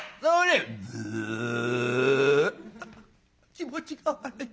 「気持ちが悪い」。